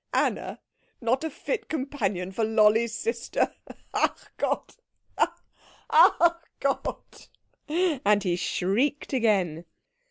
Anna not a fit companion for Lolli's sister! Ach Gott, ach Gott!" And he shrieked again.